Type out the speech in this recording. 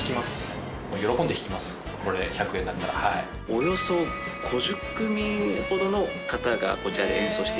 およそ５０組ほどの方がこちらで演奏して頂いてます。